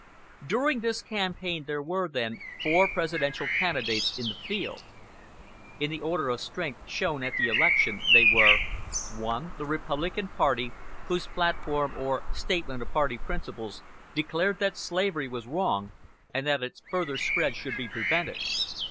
During this campaign there were, then, four Presidential candidates in the field. In the order of strength shown at the election they were: 1. The Republican party, whose "platform," or statement of party principles, declared that slavery was wrong, and that its further spread should be prevented.